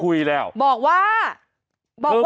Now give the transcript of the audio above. ก็ถูกแลวนะยอมคุยแล้ว